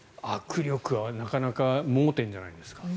握力はなかなか盲点じゃないですか。